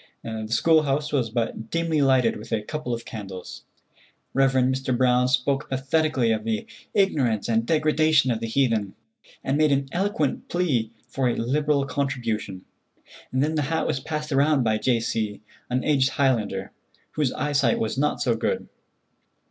The school house was but dimly lighted with a couple of candles. Rev. Mr. Brown spoke pathetically of the ignorance and degradation of the heathen, and made an eloquent plea for a liberal contribution. Then the hat was passed round by J. C., an aged Highlander, whose eyesight was not too good.